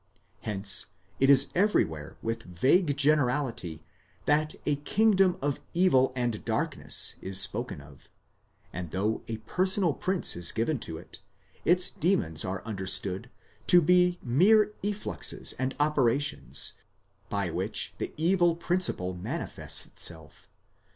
Hence it is everywhere with vague generality that a kingdom of evil and darkness is spoken of; and though a personal prince is given to it, its demons are understood to be mere effluxes and operations, by which the evil principle manifests itself.